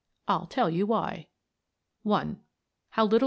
I'll tell you why. I. HOW LITTLE MR.